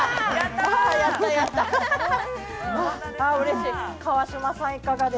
うれしい！